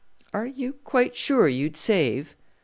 "Are you quite sure you'd save?"